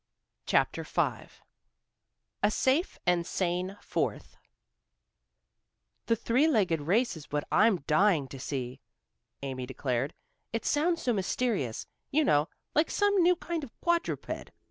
CHAPTER V A SAFE AND SANE FOURTH "The three legged race is what I'm dying to see," Amy declared. "It sounds so mysterious, you know, like some new kind of quadruped.